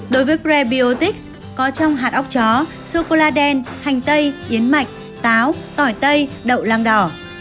đối với prebiotics có trong hạt ốc chó sô cô la đen hành tây yến mạch táo tỏi tây đậu lang đỏ